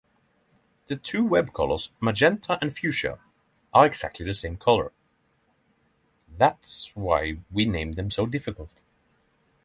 The two web colors magenta and fuchsia are exactly the same color.